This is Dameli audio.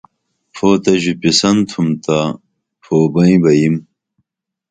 پھو تہ ژوپیسن تُھم تا پھو بئیں بہ یِم